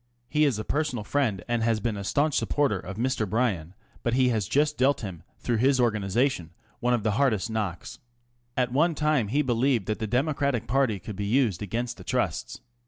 He is a personal friend and has been a staunch supporter of Mr. Bryan, but he has just dealt him, through his organisation, one of the hardest of knocks. At one time he believed that the Democratic party could be used against the Trusts.